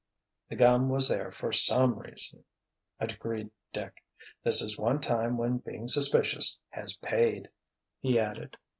"The gum was there for some reason," agreed Dick. "This is one time when being suspicious has paid," he added.